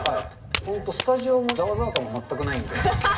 本当、スタジオもざわざわ感全くないんで。